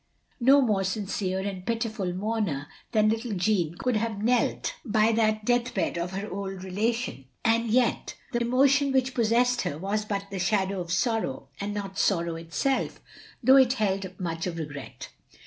No more sincere and pitiful mourner than little Jeanne could have knelt by that deathbed of her old relation, and yet the emotion which possessed her was but the shadow of sorrow, and not sorrow itself, though it held much of regret.